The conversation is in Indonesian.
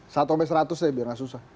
satu sampai seratus ya biar gak susah